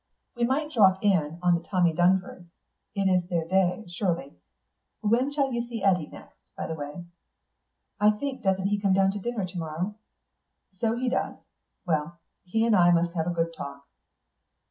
We might drop in on the Tommy Durnfords; it's their day, surely.... When shall you see Eddy next, by the way?" "I think doesn't he come to dinner to morrow?" "So he does. Well, he and I must have a good talk."